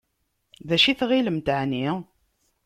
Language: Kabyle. D acu i tɣilemt εni?